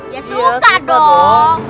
ya suka dong